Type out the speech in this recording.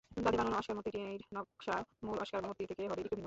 তাঁদের বানানো অস্কার মূর্তিটির নকশা মূল অস্কার মূর্তি থেকে হবে একটু ভিন্ন।